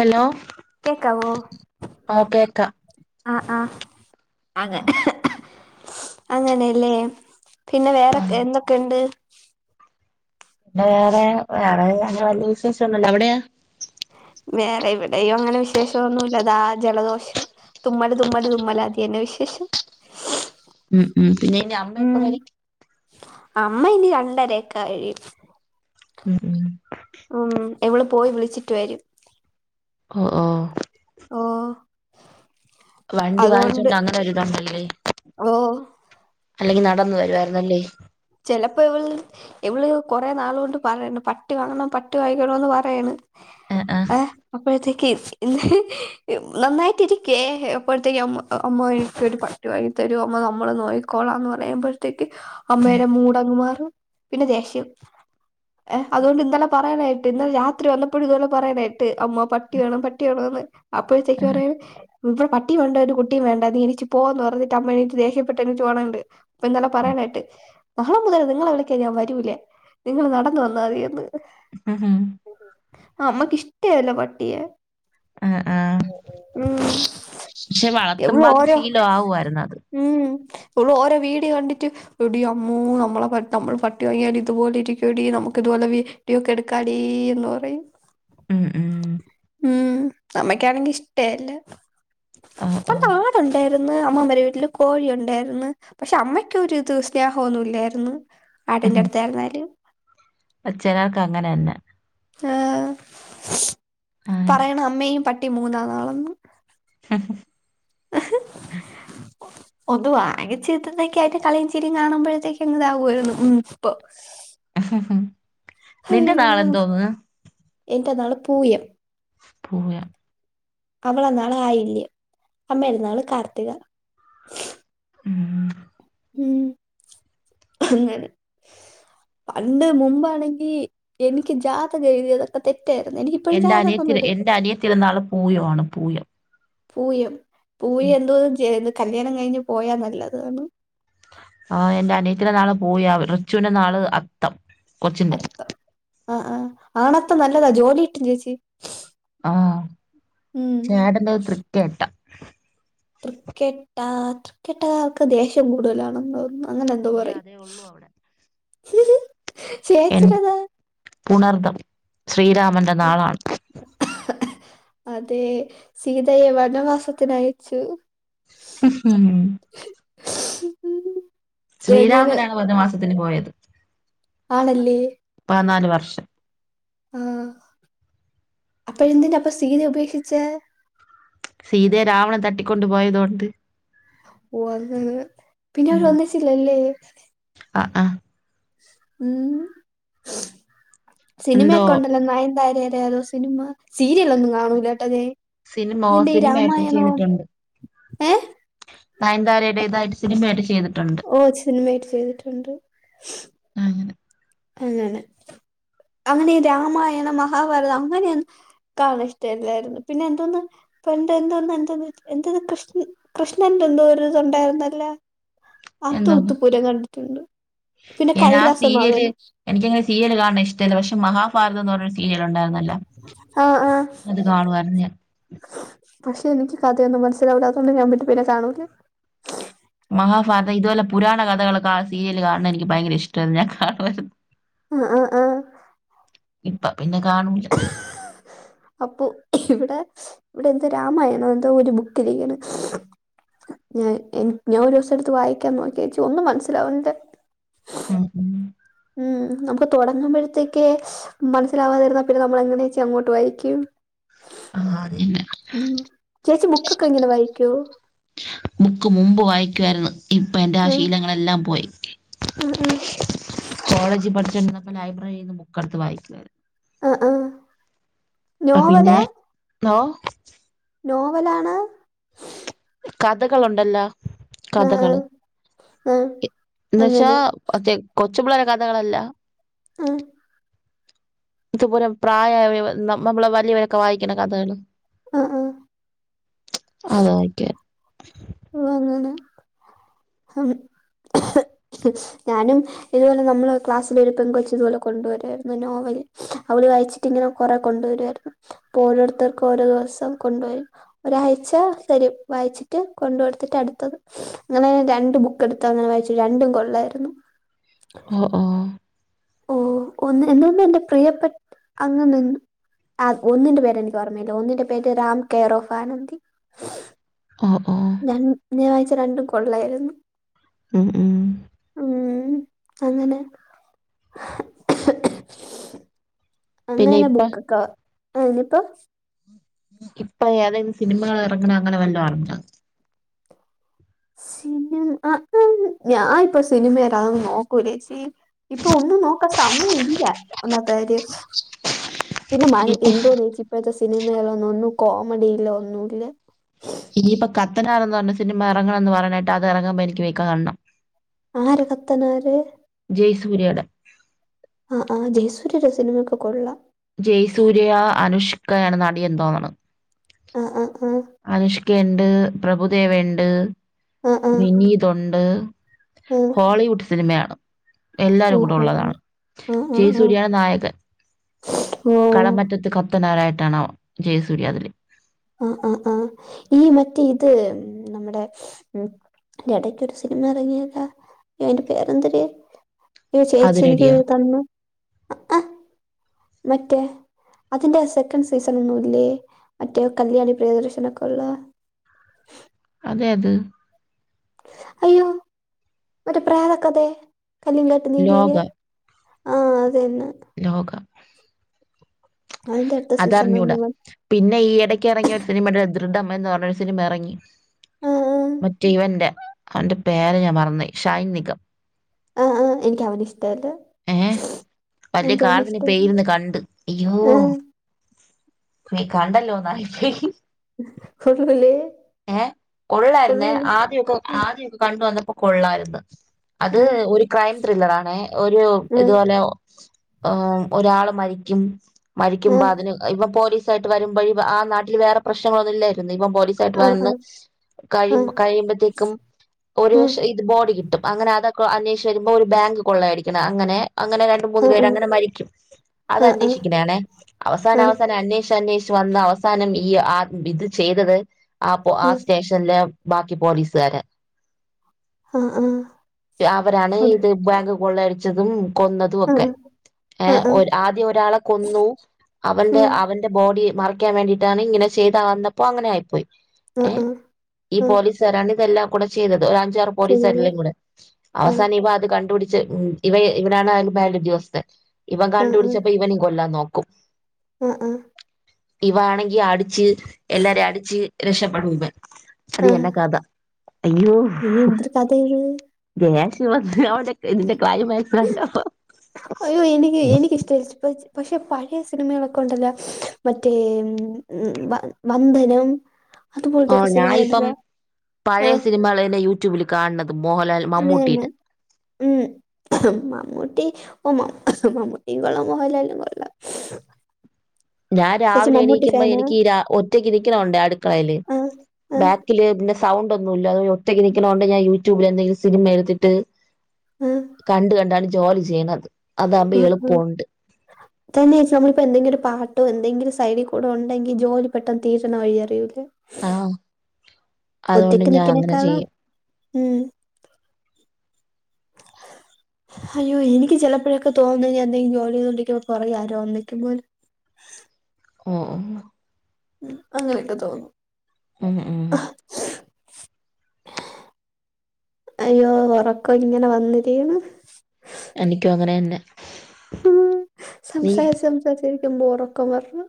Hello കേൾക്കാവോ ഓ കേക്കാം ആഹ് ആ അതെ അങ്ങനെല്ലേ പിന്നെ വേറെ എന്തൊക്കെയുണ്ട് വേറെ വേറെ പിന്നെ അങ്ങനെ വലിയ വിശേഷം ഒന്നുല്ല അവിടെയാ വേറെ ഇവിടെയും അങ്ങനെ വിശേഷന്നുല്ല ദാ ജലദോഷം തുമ്മല് തുമ്മല് തുമ്മല അത് തന്ന വിശേഷം ഉം ഉ പിന്നെ നിന്റെ അമ്മ ഉം എപ്പോവരും അമ്മ ഇനി രണ്ടരൊക്കെ കഴിയും ഉം ഉം ഉം ഇവൾ പോയി വിളിച്ചിട്ട് വരും ഒഹ് ഒഹ് ഓ വണ്ടി അതുകൊണ്ട് വാങ്ങിച്ചോണ്ട് അങ്ങനെ ഒരിതൊണ്ടല്ലേ ഓ അല്ലെങ്കി നടന്നു വരുവായിരുന്നല്ലേ ചിലപ്പോ ഇവള് ഇവള് കൊറെേ നാൾ കൊണ്ട് പറയണ് പട്ടി വാങ്ങണം പട്ടി വാങ്ങിക്കണമെന്ന് പറയണ് ആഹ് ആഹ് അപ്പഴത്തേക്ക് നന്നായിട്ടിരിക്കെ എപ്പോഴത്തേക്ക് അമ്മ അമ്മ എനിക്കൊരു പട്ടി വാങ്ങിത്തരോ അമ്മ നമ്മൾ നോയിക്കോളാം എന്ന് പറയുമ്പോഴത്തേക്ക് അമ്മ മൂടങ്ങ്മാറും പിന്നെ ദേഷ്യം ഏ അതുകൊണ്ട് ഇന്നലെ പറയണകേട്ട് ഇന്നലെ രാത്രി വന്നപ്പോഴും ഇതുപോലെ പറയണകേട്ട് അമ്മ പട്ടി വേണം പട്ടി വേണം അപ്പോഴത്തേക്ക് ആ പറ ഇവിടെ പട്ടി വേണ്ട ഒരു കുട്ടിയും വേണ്ട നി എണീച്ച് പോന്ന് പറഞ്ഞ് എന്നിട്ട് അമ്മ എണീച്ച് ദേഷ്യപ്പെട്ട് എണീച്ചു പോണ കണ്ട് ഇന്നലെ പറയണക്കെട്ട് നാളെ മുതൽ നിങ്ങള വിളിക്കാൻ ഞാൻ വരൂല നിങ്ങൾ നടന്ന് വന്നാൽ മതി എന്ന് അ ഹാ അമ്മക്ക് ഇഷ്ട്ടെ അല്ല പട്ടിയെ ആ ആ പക്ഷെ വളർത്തുമ്പോ അങ്ങ് ശീല ആവുമയിരുന്നു അത് ഉള്ള ഓരോ വീഡിയോ കണ്ടിട്ട് എടി അ അമ്മൂ നമ്മളെ നമ്മൾ പട്ടി വാങ്ങിയാൽ ഇതുപോലെ ഇരിക്കടി നമുക്ക് ഇതുപോലെ വീട്ടിയൊക്കെ എടുക്കാടിന്ന് ഉം ഉം [unintelligible] ഉം മ്മക്കാണെങ്കി ഇഷ്ടല്ല ഓ ഓ പണ്ടാടുണ്ടായിരുന്നു അമ്മമ്മരെ വീട്ടില് കോഴി ഉണ്ടായിരുന്നു പക്ഷെ അമ്മയ്ക്കൊരുത് സ്നേഹമൊന്നുല്ലായിരുന്നു ആട്ടിന്റെ അടുത്തായിരുന്നാല അച്ചനർക്ക് അങ്ങനെ തന്നെ അങ്ങനെ ആപറയണം അമ്മയും പട്ടിയും മൂന്നാളാണെന്ന് ആ [inaudible] ഒന്ന് വാങ്ങിച്ച് കിട്ടുന്നതെങ്കിൽ ആയിട്ട് കളിയും ചിരിയും കാണുമ്പോഴത്തേക്ക് ഇതാകുവായിരുന്നു ഉം ഇപ്പൊ. ഉം നിന്റെ നാൾ അയ്യോ എന്തോന്ന്. എന്റെ നാള് പൂയം. പൂയം അവള് നാള് ആയില്യം അമ്മയുടെ നാള് കാർത്തിക. ഉം ഉം അങ്ങനെ പണ്ട് മുമ്പാണെങ്കിൽ എനിക്ക് ജാതകം എഴുതിയതൊക്കെ തെ എന്റെ അനിയത്തിയുടെ എന്റെ അനിയത്തിയുടെ നാള് പൂയം ആണ് പൂയം. പൂയം ഉം പൂയം എന്തോന്ന് ചെയ്യുന്നു കല്യാണം കഴിഞ്ഞ് പോയാൽ നല്ലതാണ്. ആഹ് എന്റെ അനിയത്തിയുടെ നാള് പൂയം റിച്ചുവിന്റെ നാള് അത്തം. കൊച്ചിന്റെ അത്തം ആഹ് ആഹ് ആൺ അത്തം നല്ലതാ ജോലി കിട്ടും ചേച്ചി. ആഹ് ഉം ചേട്ടന്റത് തൃക്കേട്ട. തൃക്കേട്ട തൃക്കേട്ടക്കാർക്ക് ദേഷ്യം കൂടുതലാണെന്നു തോന്നുന്നു. അങ്ങനെ എന്തോ ഈ പറയും അതേ ഉള്ളൂ അവിടെ എൻ ചേച്ചിടെതോ. പുണർതം ശ്രീരാമന്റെ നാളാണ്. അതെ, സീതയെ വനവാസത്തിൻ അയച്ചു. മ്മ് അയച്ചു അങ്ങനെ ശ്രീരാമനാണ് വനവാസത്തിനു പോയത്. ആണല്ലേ. പതിനാല് വർഷം ആഹ് അപ്പം എന്തിന്റെ അപ്പൊ സീത ഉപേക്ഷിച്ചേ. സീതയെ രാവണൻ തട്ടിക്കൊണ്ടു പോയതോണ്ട്. വന്ന് അങ്ങ് പിന്നെ അവര് ഒന്നിച്ചില്ലേ. ആആ ഉം എന്തോ സിനിമയൊക്കെ ഉണ്ടല്ലോ നയൻ താരയുടെ ഏതോ സിനിമ, സീരിയൽ ഒന്നും കാണൂല്ലട്ടോ ഞാന്. സിനിമ ഇതിന്റെ ഈ സിനിമയായിട്ട് രാമായണവും ഏഹ്. നയൻതാരയുടെത്തായിട്ട് സിനിമയായിട്ട് ചെയ്തു. ഓ സിനിമായിട്ട് ചെയ്തിട്ടുണ്ട്. അങ്ങനെ അങ്ങനെ അങ്ങനെ രാമായണം മഹാഭാരതം അങ്ങനെ ഒന്നും കാണാൻ ഇഷ്ടമല്ലായിരുന്നു പിന്നെ എന്തോന്ന്. അപ്പൊ എന്റെ എന്തോന്ന് എന്തോ എന്താത് കൃഷ് കൃഷ്ണന്റെ എന്തൊരു ഇതുണ്ടായിരുന്നല്ലോ. അത് എന്തോന്ന് ഉത്തുപ്പൂരം കണ്ടിട്ടുണ്ട്, പിന്നെ കൈലാസനാഥനും. എനിക്ക് അങ്ങനെ സീരിയൽ കാണുന്നത് ഇഷ്ടല്ല പക്ഷേ മഹാഭാരതം എന്ന് പറഞ്ഞു ഒരു സീരിയൽ ഉണ്ടായിരുന്നു. ആഹ് ആഹ് ഞാൻ പക്ഷെ എനിക്ക് കഥയൊന്നും മനസ്സിലാവൂലാത്തത് കൊണ്ട് ഞാൻ പിന്നെ പിന്നെ കാണൂല്ല. കഥകൾ ആ സീരിയല് കാണുന്നത് എനിക്ക് ഭയങ്കര ഇഷ്ടായിരുന്നു ഞാൻ കാണുവായിരുന്നു. ആഹ് ആഹ് ആഹ് ഇപ്പൊ പിന്നെ കാണൂല അപ്പൊ ഇവിടെ ഇവിടെ എന്തോ രാമായണോ എന്തോ ഒരു ബുക്കിരിക്കണ് ഞാൻ എൻ ഞാൻ ഒരു ദിവസെടുത്ത് വായിക്കാൻ നോക്കിയേച്ചി ഒന്നും മനസ്സിലാവുന്നില്ല ഉം ഉം ഉം നമുക്ക് തൊടങ്ങുമ്പഴത്തേക്കേ മനസ്സിലാവാതിരുന്നാ പിന്നെ നമ്മൾ എങ്ങനേച്ചി അങ്ങോട്ട് വായിക്കും ആ അതന്നെ ഉം ചേച്ചി ബുക്കൊക്കെ ഇങ്ങനെ വായിക്കോ ബുക്ക് മുമ്പ് വായിക്കുവായിരുന്ന് ഇപ്പ എന്റെ ആഹ് ഉം, ശീലങ്ങളെല്ലാം പോയി ഉം, ഉം. കോളേജി പഠി ച്ചോണ്ടിരുന്നപ്പ ലൈബ്രറീന്ന് ബുക്കെടുത്ത് വായിച്ചാരുന്ന് ആഹ് ആഹ് നോവലാ നോ നോവലാണ് കഥകളൊണ്ടല്ലാ ആ ആ കഥകള് ആ എഹ് എന്ന് വെച്ചാ അങ്ങനെ അതെ കൊ ച്ച്പുള്ളേ കഥകളല്ല ആഹ് ഇതുപോലെ പ്രായ ആയവ നമ്മളെ പോലെ വലിയവരൊക്കെ വായിക്കണ കഥകള് ആഹ് ആഹ് അത് വായിക്കേ ഓ അങ്ങനെ പിച് ഞാനും ഇതുപോലെ നമ്മള് ക്ലാസ്സിലെ ഒരു പെൺകൊച്ച് ഇതുപോലെ കൊണ്ടു വരായിരുന്നു നോവൽ അവ വായിച്ചിട്ടിങ്ങനെ കൊറെ കൊണ്ടുവരുവായിരുന്നു അപ്പൊ ഓരോരുത്തർക്കും ഓരോ ദിവസം കൊണ്ടുവരും ഒരാഴ്ച തരും വായിച്ചിട്ട് കൊണ്ട്ടുത്തിട്ട് അടുത്തത് ങ്ങനെ രണ്ട് ബുക്ക് എടുത്ത് അങ്ങനെ വായിച്ചു രണ്ടും കൊള്ളായിരുന്നു. ഓഹ് ഓഹ് ഓഹ് ഒന്ന് [unintelligible] പ്രിയപ്പെട്ട് അങ്ങനന്ന് ആഹ് ഒന്നിന്റെ പേര് എനിക്ക് ഓർമ്മയില്ല ഒന്നിന്റെ പേര് രാം കെറോഫ ആനന്ദി ഓ ഓ ഞാൻ ഞാൻ അയച്ചു രണ്ടും കൊള്ളായിരുന്നു. ഉം ഉം ഉം അങ്ങനെ പിന്നെ അങ്ങനന്നെ ഇപ്പൊ ബുക്കൊക്കെ ആഹ് ഇനിപ്പൊ ഇപ്പൊ ഏതേലും സിനിമകൾ ഇറങ്ങണ അങ്ങനെ വല്ലോ അറിഞ്ഞൊ ഞാൻ ഇപ്പം സിനിമ അതൊന്നും നോക്കൂല്ല ചേച്ചി, ഇപ്പൊ ഒന്നും നോക്കാൻ സമയം. സമയം ഇല്ല ഒന്നാമത്തെ കാര്യം. പിന്നെ മ ഇപ്പ എന്തോന്ന് ചേച്ചി ഇപ്പോഴത്തെ സിനിമകളൊന്നും കോമഡില്ല ഒന്നുല്ല. ഇനിയിപ്പൊ കത്തനാർന്ന് പറഞ്ഞാ സിനിമ ഇറങ്ങണമെന്ന് പറയണ കേട്ട് അത് ഇറങ്ങുമ്പോ എനിക്ക് പോയി കാണണം ആര് കത്തനാര്? സൂര്യയുടെ ആഹ് ആഹ് ജയസൂര്യയുടെ സിനിമയൊക്കെ കൊള്ളാം ജയസൂര്യയാ അനുഷ്കയാണ് നടിയെന്ന് തോന്നുന്ന. ആഹ് ആഹ് ആഹ് അനുഷ്കയുണ്ട് പ്രഭുദേവയുണ്ട് ആഹ് ആഹ് വിനീത് ഒണ്ട്. ആഹ് ഹോളിവുഡ് സിനിമയാണോ? എല്ലാരും കൂടെ ഓഹോ ഉള്ളതാണ്, ആഹ് ജയ ആഹ് ആഹ് സൂര്യയാണ് നായകൻ. ഓഹ് കടമറ്റത്ത് കത്തനാരായിട്ടാണ് ജയസൂര്യ അതില് ആഹ് ആഹ് ആഹ് ഈ മറ്റേ ഇത് നമ്മുടെ ഉം ഇതിന്റെ ഇടയ്ക്കൊരു സിനിമ ഇറങ്ങിയല്ലാ അയ്യോ അതിന്റെ പേരെന്തിര്? അയ്യോ അത് ചേച്ചി എനിക്ക് റെഡിയാ ഒരു കണ്ണും ആഹ് മറ്റേ. അതിന്റെ സെക്കൻഡ് സീസൺ ഒന്നുമല്ലേ മറ്റേ കല്യാണി പ്രിയദർശന ഒക്കെയുള്ള. [inaudible] ഏത് അയ്യോ മറ്റേ പ്രേതകഥ കള്ളിയങ്കാട്ടു നീലിയുടെ. ലോക ആഹ് അതുതന്നെ. ലോക അതിന്റെ അടുത്ത അത് സീസൺ അറിഞ്ഞുകൂടാ ഒന്നും വ പിന്നെ ഈ ഇടയ്ക്ക് ഇറങ്ങിയ ഒരു. സിനിമയുടെ ദൃഢം എന്ന് പറഞ്ഞു ഒരു സിനിമ ഇറങ്ങി. ആ മറ്റേ ഇവന്റെ അവന്റെ പേര് ഞാൻ മറന്നുപോയി ഷെയ്ൻ നിഗം. ആഹ ആഹ് എനക്ക് അവന ഇഷ്ടല്ല ഏ വലിയ എനിക്ക് അവനെ കാർത്തിെ ഇഷ്ടല്ല പേര്ന്ന് കണ്ട് അയ്യോ ആ കണ്ടല്ലോന്നായി കൊ പോല്ലേ ഏഹ കൊള്ളായിരുന്ന ആദ്യൊക്കെ ആ ആദ്യമൊക്കെ കണ്ട വന്നപ്പോൊ കൊള്ളായിരുന്നു ആ അത് ഒരു ക്രൈം ത്രില്ലറ ആണ ഒരു ആ ഇതുപോലെ ഒരാള് മരിക്കും ആ മരിക്കുമ്പോ അതിന് ഇപ്പ പോലീസ് ആായിട്ട് വരുമ്പോഴ ആ നാട്ടിൽ വേറെ പ്രശ്നങ്ങളൊന്നുമല്ലായിരുന്നു ഇവം പോലെ ായിട്ട് ആ വന്ന് ആ കഴ ആ കഴിയുമ്പഴത്തേക്കും ഒരു ആ വഷം ഇത് ബോഡി കിട്ടും അങ്ങനെ അതൊക്കെ അന്വേഷച്ച് വരുമ്പോ ഒരു ബാങ്ക് കൊള്ളയായിരിക്കണം അങ്ങനെ അങ്ങനെ രണ്ട ആ മൂന്ന് പേര അങ്ങനെ മരിക്കും അത് ആ ആ അന്വേഷിക്കണാണേ അവസാന അവസാന അന്വേഷ അന്വേഷ വ അവസാനം ഈ ആ ഇത് ചെയ്തത് ആ ആ സ്റ്റേഷനില് ബാക്കി പോലീസുകാര ആ ആ ആ അവരാണ് അത് ഇത് ബാങ്ക് കൊള്ള അരിച്ചതും കൊന്നതും ആ ഒക്കെ ആ ആ ആ ഏഹ ആദ്യം ഒരാളെ കൊന്നു അവന്റെ അവന്റെ ബോഡി മറിക്കാൻ വേണ്ടിയിട്ടാണ് ഇങ്ങനെ ചെയ്ത വന്നപ്പോൾ അങ്ങനെ ആയിപ്പോയി ആ ഏ ആ ഈ ആ പോലീസുകാരാണ് ഇതെല്ലാം കൂടെ ചെയ്തത് ഒഞ് ചെയ്തത് ക ആ അവസ ക ഇവ ഇവനാണ്ാലും പേല ദിവസത്തിൽ ഇവൻ കണ്ടുപിടിച്ചപ്പോ ഇവന കൊല്ലാൻ നോക്കും ആഹ ആ ഇവ ആണെങ്കി അടിച്ച് എല്ലാരും അടിച്ച് രക്ഷപ്പെടും ഇവ അത് ആ ആ എക്കാത അയ്യോ എന്തൊരു കഥയാ ഇത് ജഹേഷ് [inaudible] അയ്യോ എനിക്ക് എനക്ക് ഇ്ട ഇ പ പശപ്പ പഴയ സിനിമകളൊക്കെ ഉണ്ടല്ല മറ്റേ വന്ദനം ഓ അതുപോലത്തെ ഒക്കെ സിനിമ ഞാനിപ്പം ഉണ്ടല്ലോ ആ പഴയ സിനിമകൾ തെ യൂട്യൂബിൽ കാണുന്നത് മോഹൻലാൽ അത് തന്നെ മമ്മൂട്ടീുടെ ഉം മമൂട്ടീ ഓ മ മമൂട്ടീ ഗളമഹല്ലന കൊല്ലാം [inaudible] ഞാൻ രാവിലെ എണീക്കുമ്പോ എനിക്ക് ഈ ഒറ്റക്ക് ഇരിക്കണുണ്ട് അടുക്കളയില് ആ ആ ആ ബാഗക്ക ഇ സൗണ്ട് ഒന്നുമ ഇല്ല ഒറ്റയ്ക്ക് നൽക്കണോണ്ട് ഞാൻ യൂട്യൂബിൽ എന്തെങ്കിലും സിനിമ എടുത്തിട്ട് കണ്ട കണ്ടാണ് ജോലി ചെയ്യണത് അതാകുമ്പോ ആ എളുപ്പമുണ്ട് തന്ന നമ്മളിപ്പോ എന്തെില പാട്ടോ എന്തെങ്കിലും സൈലി കൂടെ ഉണ്ടെങ്കിൽ ജോലി പെട്ടെന്ന് തീറ്റണ വഴി അറിയിൂല്ലേ ആഹ അതുകൊണ്ട് ഒറ്റയ്ക്ക് ഞാൻ അങ്ങനെ നിക്കണേക്കാളും ചെയ്യും ഉം [inaudible] അയ്യോ എനിക്ക് ചിലപ്പോഴൊക്കെ തോന്ന എന്തെങ്കിലും ജോലി ചെയ്തോണ്ടിരിക്കുമ്പ കൊറേ ആരോ അന്നേക്കും പോലെ ഓ ഉ അങ്ങനെയൊക്കെ തോന്നും മ്മ് മ്മ് അയ്യോ ഉറക്കം ഇങ്ങനെ വന്നിരീണ് എനിക്കും അങ്ങനെ തന്നെ നീ സംസാരിച്ച് സംസാരിച്ചിരിക്കുമ്പോ ഒറക്കം വെരുന്നു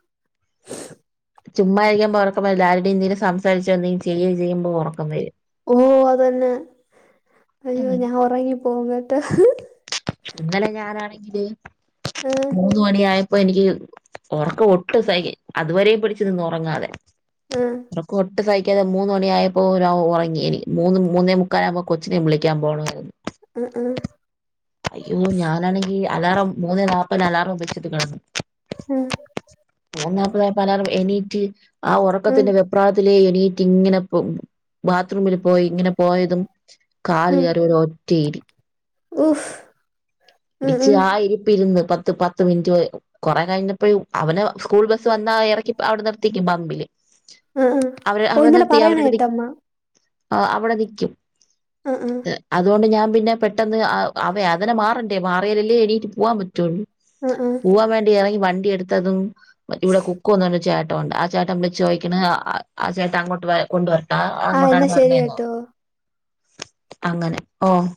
ചുമ്മാരിക്കുമ്പോ ഉറക്കം വരില്ല ആരുടെയും എന്തെങ്കും സംസാരിച്ചോ ന്തെങ്കിലും ചെയ്യ ചെയ്യുമ്പോൾ ഉറക്കം വരും ഓ അതന്നെ അയ്യോ അങ്ങനെ ഞാൻ ഉറങ്ങി പോവട്ടെ ഇന്നലെ ഞാനാണെങ്കില് ആഹ് മൂന്ന് മണിയായ ഇപ്പൊ എനിക്ക് ഉറക്കം ഒട്ടും സഹി അതുവരെയും പിടിച്ചു നിന്നു ഉറങ്ങാതെ ആഹ് ത്രക്കു ഒട്ട് സഹിക്കാതെ മൂന്ന് മണിയായപ്പോ ഒര ഔ ഒറങ്ങിയെനി മൂന്ന് മൂന്നേ മുക്കാലാവുമ്പോ കൊച്ചിനെ വിളിക്കാൻ പോണമായിരുന്നു ആഹ് ആഹ് അയ്യോ ഞാനാണെങ്കി അലാറം മൂന്നെ നാല്പ്പതിന് അലാറം വെച്ചിട്ട് കടന്നു ആഹ് മൂന്നെ നാൽപതായപ്പോ അലാറം എണീറ്റ് ആ ആഹ് ആഹ് ഒറക്കത്തിന്റെ വെപ്രാളത്തിലേ എണീറ്റ് ഇങ്ങനെ പൊ ബാത്റൂമിൽ പോയി ഇങ്ങനെ പോയതും കാൽ കയറി ഒര് ഒറ്റയിരി ഉഫ് ഇടിച്ച് ആ ഇരി രിപ്പ് ഇര്ന്ന് പത്ത് പത്ത് മിൻറ്റ് കൊറെ കഴിഞ്ഞപ്പെഴ് അവൻ സ്കൂൾ ബസ്സ് വന്നാ എറ ക്കിപ് അവടെ നിർത്തിക്കും പമ്പില്. ആഹ് ആഹ് അവര് ഓ അവടെ ഇന്നലെ നിർത്തി പറയണ അവരട് കേട്ടമ്മ ആഹ് അവിടെ നിക്കും ആഹ് ആഹ് അതുകൊണ്ട് ഞാൻ പിന്നെ പെട്ടെന്ന് അവയ അതിനെ മാറ ട്ട്യേ മാറിയാലല്ലേ എണീറ്റു പോവാൻ പറ്റുള്ളൂ. ആഹ് ആഹ് പോവാൻ വേണ്ടി ഇറങ്ങി വൺ ണ്ടി എട്ത്തതും ഇവിടെ കുക്കൂന്നാണ്ട് ചേട്ടവണ്ട ആ ചേട്ടം വിള്ച്ച് ചോയിക്ക്ണ് ആഹ് ആഹ് ആഹ് ചേട്ട അങ്ങോട്ട് വ കൊണ്ടുവ ആഹ് അങ്ങോട്ടാണ് എന്നാ ശരി പറഞെന്നോ കേട്ടോ അങ്ങനെ ഓഹ്